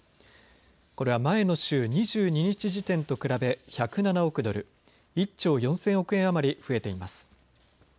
これは前の週、２２日時点と比べ１０７億ドル、１兆４０００億円余り増えています。